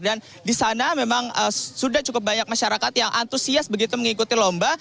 dan di sana memang sudah cukup banyak masyarakat yang antusias begitu mengikuti lomba